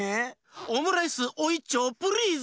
オムライスおいっちょうプリーズ！